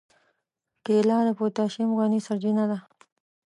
کېله د پوتاشیم غني سرچینه ده.